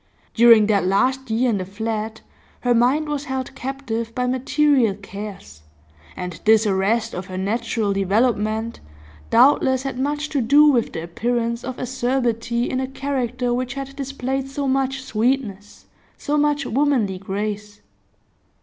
During that last year in the flat her mind was held captive by material cares, and this arrest of her natural development doubtless had much to do with the appearance of acerbity in a character which had displayed so much sweetness, so much womanly grace.